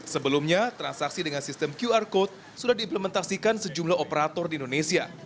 sebelumnya transaksi dengan sistem qr code sudah diimplementasikan sejumlah operator di indonesia